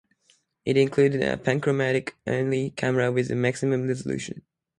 It included a panchromatic only camera with a maximum resolution.